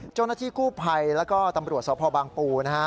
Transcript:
เจ้าหน้าที่กู้ภัยแล้วก็ตำรวจสพบางปูนะฮะ